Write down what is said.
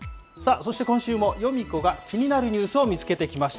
そして今週もヨミ子が気になるニュースを見つけてきました。